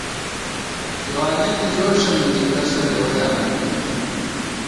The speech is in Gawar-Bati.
ځوانِیَنی جوشہ منزی کسہ ڈېوَئی آنِمېت